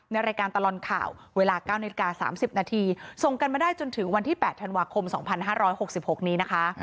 รายการตลอดข่าวเวลา๙นาฬิกา๓๐นาทีส่งกันมาได้จนถึงวันที่๘ธันวาคม๒๕๖๖นี้นะคะ